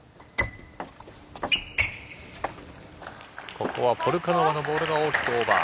ここはポルカノバのボールが大きくオーバー。